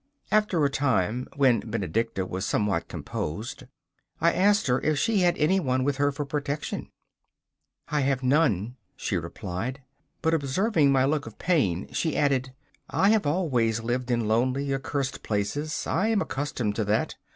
After a time, when Benedicta was somewhat composed, I asked her if she had anyone with her for protection. 'I have none,' she replied. But observing my look of pain, she added: 'I have always lived in lonely, accurst places; I am accustomed to that.